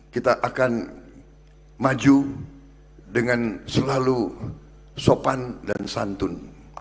kita akan maju dengan selalu sopan dan santun